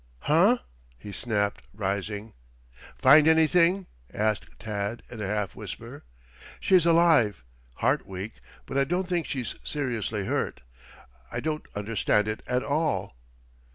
"Huh!" he snapped, rising. "Find anything!" asked Tad in a half whisper. "She's alive. Heart weak, but I don't think she's seriously hurt. I don't understand it at all."